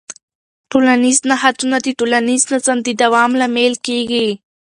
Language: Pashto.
ټولنیز نهادونه د ټولنیز نظم د دوام لامل کېږي.